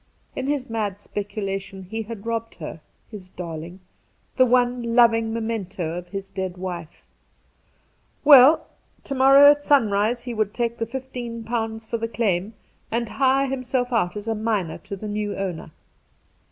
In his mad speculation he had robbed her — his darling, the one loving memento of his dead wife ! Well, to morrow at sunrise he would take the £15 for the claim, and hire himself out as a miner to the new owner.